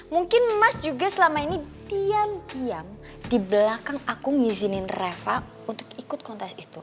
mungkin mas juga selama ini diam diam di belakang aku ngizinin reva untuk ikut kontes itu